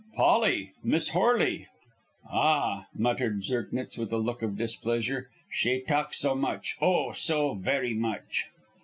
"Polly Miss Horley." "Ah," muttered Zirknitz, with a look of displeasure, "she talks so much, oh, so very much."